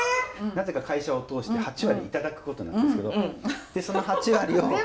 なぜか会社を通して８割頂くことになってるんですけどその８割を。